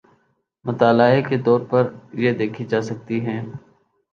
مطالعے کے طور پہ دیکھی جا سکتی ہیں۔